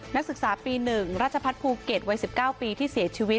นักศึกษาปีหนึ่งราชพัฒนธ์ภูเก็ตวัยสิบเก้าปีที่เสียชีวิต